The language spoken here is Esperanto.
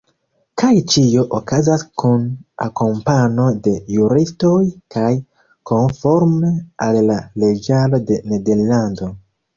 Kaj ĉio okazas kun akompano de juristoj kaj konforme al la leĝaro de Nederlando.